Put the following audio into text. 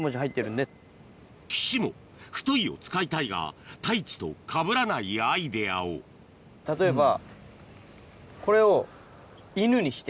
岸も「太い」を使いたいが太一とかぶらないアイデアを例えば。